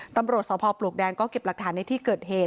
ตำรวจสพปลวกแดงก็เก็บหลักฐานในที่เกิดเหตุ